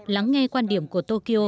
lắng nghe quan điểm của tokyo